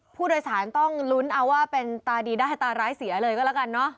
ผู้โดยสารต้องลุ้นเอาว่าเป็นตาดีได้ตาร้ายเสียเลยก็แล้วกันเนอะ